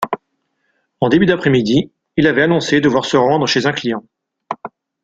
En début d’après-midi, il avait annoncé devoir se rendre chez un client.